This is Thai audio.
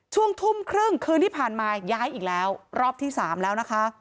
ช่วงทุ่มครึ่งคืนที่ผ่านมาย้ายอีกแล้วรอบที่สามแล้วนะคะ